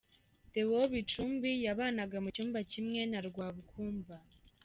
Deo Bicumbi yabanaga mu cyumba kimwe na Rwabukumba.